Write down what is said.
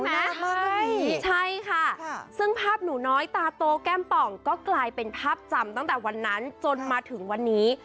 ไม่ใช่ค่ะซึ่งภาพหนูน้อยตาโตแก้มป่องก็กลายเป็นภาพจำตั้งแต่วันนั้นจนมาถึงวันนี้